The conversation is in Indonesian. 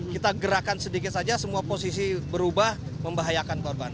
kita gerakan sedikit saja semua posisi berubah membahayakan korban